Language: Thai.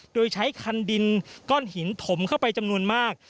โดยใช้คันดินก้อนหินถมเข้าไปจำนวนมาก